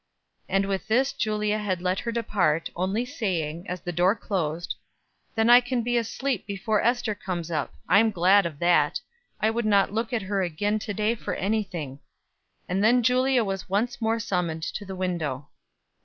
And with this Julia had let her depart, only saying, as the door closed: "Then I can be asleep before Ester comes up. I'm glad of that. I wouldn't look at her again to day for anything." And then Julia was once more summoned to the window.